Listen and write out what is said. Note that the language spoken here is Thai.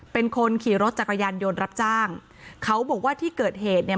เป็นคนขี่รถจักรยานยนต์รับจ้างเขาบอกว่าที่เกิดเหตุเนี่ย